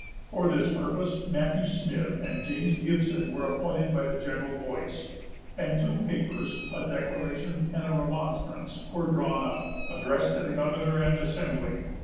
For this purpose, Matthew Smith and James Gibson were appointed by the general voice; and two papers, a "Declaration" and a "Remonstrance," were drawn up, addressed to the governor and Assembly.